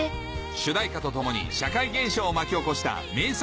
主題歌とともに社会現象を巻き起こした名作